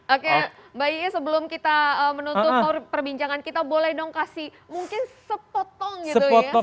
oke mbak ye sebelum kita menutup perbincangan kita boleh dong kasih mungkin sepotong gitu ya